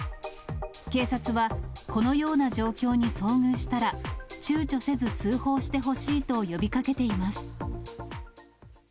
警察は、このような状況に遭遇したら、ちゅうちょせず通報してほしいと呼びかけています。